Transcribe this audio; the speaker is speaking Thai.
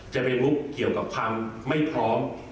จะไปลุกเกี่ยวกับความไม่พร้อม